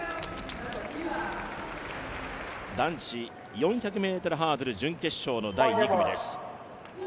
男子４００ｍハードル準決勝の第２組です。